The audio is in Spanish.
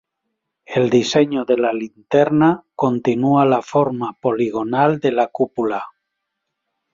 El diseño de la linterna continúa la forma poligonal de la cúpula.